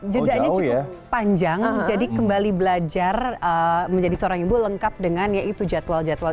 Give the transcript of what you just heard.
jedaannya cukup panjang jadi kembali belajar menjadi seorang ibu lengkap dengan yaitu jadwal jadwal